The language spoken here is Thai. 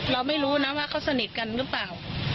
เราไม่รู้นะว่าเขาสนิทกันหรือเปล่า